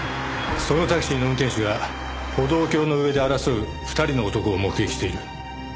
そのタクシーの運転手が歩道橋の上で争う２人の男を目撃している。